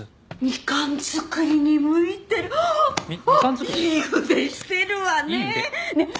ミカン作りに向いてるいい腕してるわねぇ。